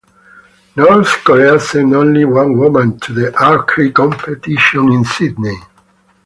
North Korea sent only one woman to the archery competition in Sydney.